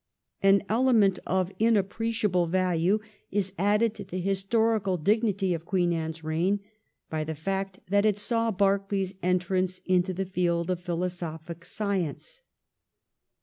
An element of inappreciable value is added to the historical dignity of Queen Anne's reign by the fact that it saw Berkeley's entrance into the field of philosophic science.